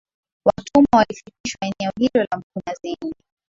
Watumwa walifikishwa eneo hilo la mkunazini